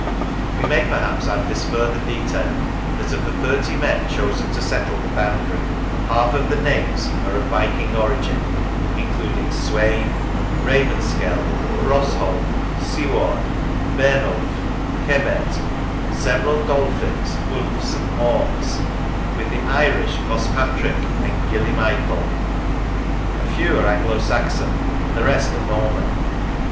We may perhaps add this further detail : that of the thirty men chosen to settle the boundary, half of the names 1 68 Lonsdale North of the Sands are of Viking origin, including Swein, Ravenskell, Frosholf, Siward, Bernulf, Kebet, several Dolfins, Ulfs and Orms, with, the Irish Gospatric and Gille michael; a few are Anglo Saxon, and the rest are Norman.